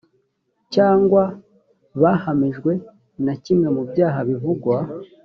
cyangwa bahamijwe na kimwe mu byaha bivugwa